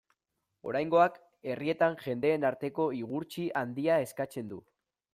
Oraingoak herrietan jendeen arteko igurtzi handia eskatzen du.